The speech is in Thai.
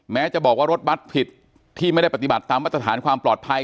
แม้จะบอกว่ารถบัตรผิดที่ไม่ได้ปฏิบัติตามมาตรฐานความปลอดภัย